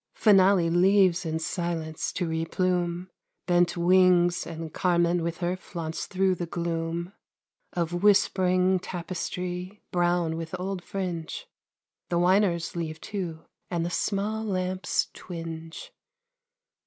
Finale leaves in silence to replume Bent wings, and Carmen with her flaunts through the gloom Of whispering tapestry, brown with old fringe: The winers leave too, and the small lamps twinge.